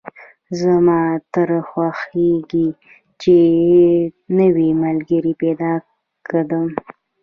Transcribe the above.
زما تل خوښېږي چې نوی ملګري پیدا کدم